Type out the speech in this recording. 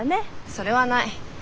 それはない。